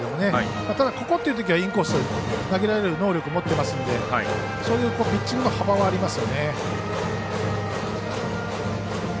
ただ、ここというときはインコースを投げられる能力を持ってますのでそういったピッチングの幅はありますよね。